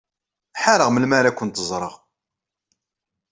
Ḥareɣ melmi ara kent-ẓreɣ.